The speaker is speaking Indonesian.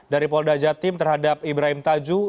dari polda jatim terhadap ibrahim tajuh